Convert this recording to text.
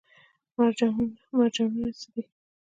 مرجانونه څه دي؟